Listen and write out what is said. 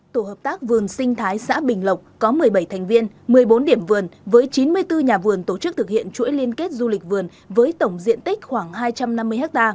tổ hợp tác vườn sinh thái xã bình lộc có một mươi bảy thành viên một mươi bốn điểm vườn với chín mươi bốn nhà vườn tổ chức thực hiện chuỗi liên kết du lịch vườn với tổng diện tích khoảng hai trăm năm mươi ha